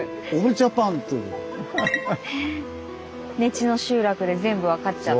根知の集落で全部分かっちゃう。